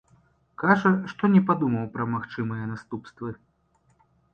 Кажа, што не падумаў пра магчымыя наступствы.